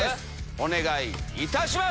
お願いいたします！